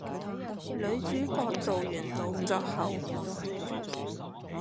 女主角做完動作後